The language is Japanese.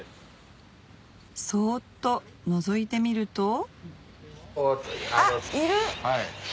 そっとのぞいてみるとあっいる！